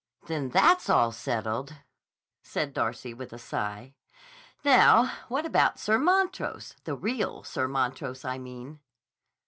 "Then that's all settled," said Darcy with a sigh. "Now what about Sir Montrose? The real Sir Montrose, I mean."